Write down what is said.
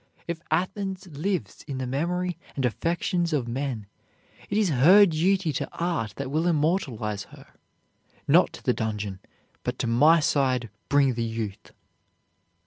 If Athens lives in the memory and affections of men, it is her devotion to art that will immortalize her. Not to the dungeon, but to my side bring the youth."